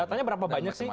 datanya berapa banyak sih